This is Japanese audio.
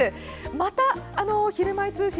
また「ひるまえ通信」